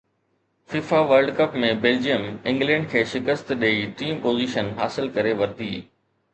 FIFA world cup ۾ Belgium England کي شڪست ڏئي ٽئين پوزيشن حاصل ڪري ورتي